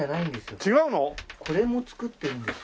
違うの？これも作ってるんですよ。